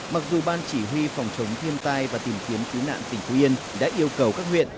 mặc dù ban chỉ huy phòng chống thiên tai và tìm kiếm cứu nạn tỉnh phú yên đã yêu cầu các huyện